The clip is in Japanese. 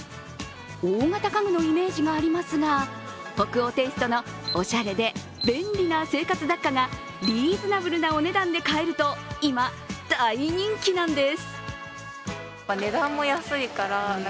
大型家具のイメージがありますが、北欧テイストのおしゃれで便利な生活雑貨がリーズナブルなお値段で買えると今、大人気なんです。